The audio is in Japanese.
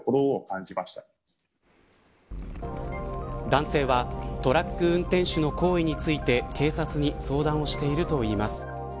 男性はトラック運転手の行為について警察に相談をしているといいます。